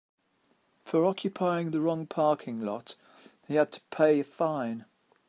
For occupying the wrong parking lot he had to pay a fine.